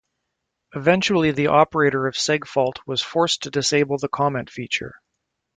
Eventually the operator of Segfault was forced to disable the comment feature.